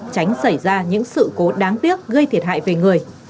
tránh xảy ra những sự cố đáng tiếc gây thiệt hại về người